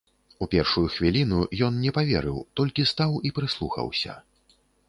У першую хвіліну ён не паверыў, толькі стаў і прыслухаўся.